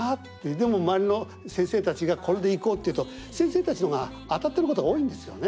でも周りの先生たちがこれでいこうって言うと先生たちのが当たってることが多いんですよね。